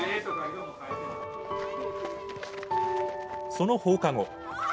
その放課後。